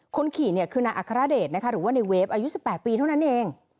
คนขี่เนี่ยคือนายอัครเดชนะคะหรือว่าในเวฟอายุ๑๘ปีเท่านั้นเอง